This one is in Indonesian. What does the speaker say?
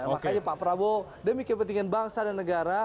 makanya pak prabowo demi kepentingan bangsa dan negara